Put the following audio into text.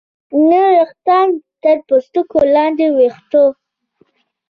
نوي ویښتان تر پوستکي لاندې د ویښتو